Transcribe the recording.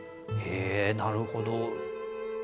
へえなるほど。